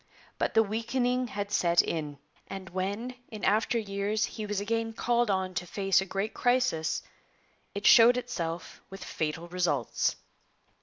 But the weakening had set in, and when in after years he was again called on to face a great crisis, it showed itself with fatal results.